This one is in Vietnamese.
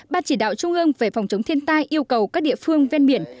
ban chỉ đạo trung ương về phòng chống thiên tai yêu cầu các địa phương ven biển